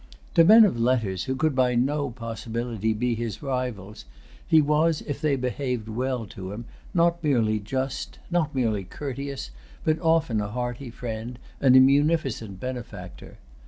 To men of letters who could by no possibility be his rivals, he was, if they behaved well to him, not merely just, not merely courteous, but often a hearty friend and a munificent benefactor.